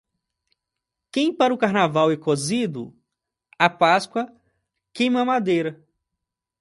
Quem para o Carnaval é cozido, a Páscoa queima a madeira.